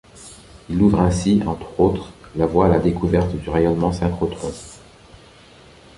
Il ouvre ainsi, entre autres, la voie à la découverte du rayonnement synchrotron.